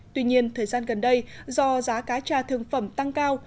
tuy nhiên thời gian gần đây do giá cá cha thương phẩm tăng cao